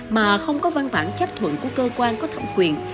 mà không có văn bản chấp thuận của cơ quan có thẩm quyền